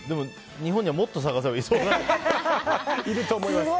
日本にはもっと探せばいると思います。